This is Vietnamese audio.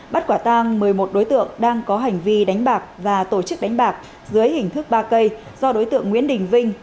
bắt quả tang một mươi một đối tượng đang có hành vi đánh bạc và tổ chức đánh bạc dưới hình thức ba cây do đối tượng nguyễn đình vinh